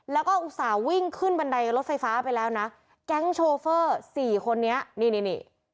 แล้วก็อุตส่าห์วิ่งขึ้นบันไดรถไฟฟ้าไปแล้วนะแก๊งโชเฟอร์สี่คนนี้นี่นี่